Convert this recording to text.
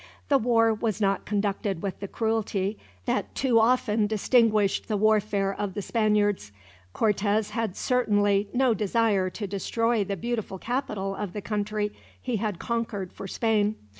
The war was not conducted with the cruelty that too often distinguished the warfare of the Spaniards. Cortez had certainly no desire to destroy the beautiful capital of the country he had conquered for Spain.